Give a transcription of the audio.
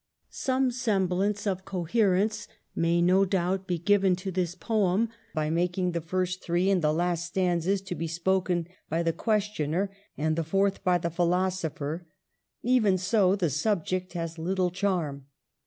1 77 Some semblance of coherence may, no doubt, be given to this poem by making the three first and the last stanzas to be spoken by the ques tioner, and the fourth by the philosopher. Even so, the subject has little charm.